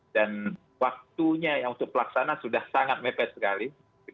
dan waktunya yang untuk pelaksana sudah sangat mepet sekali